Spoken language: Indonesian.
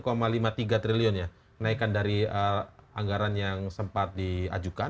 rp satu lima puluh tiga triliun ya naikkan dari anggaran yang sempat diajukan